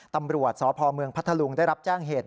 ตำรวจสพเมืองพัทธลุงได้รับแจ้งเหตุ